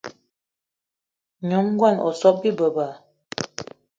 Nyom ngón o so bi beba.